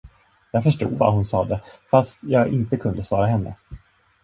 Jag förstod vad hon sade, fast jag inte kunde svara henne.